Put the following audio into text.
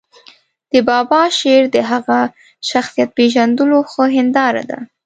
د بابا شعر د هغه شخصیت پېژندلو ښه هنداره ده.